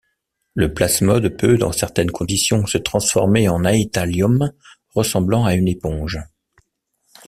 Le plasmode peut, dans certaines conditions, se transformer en aethalium ressemblant à une éponge.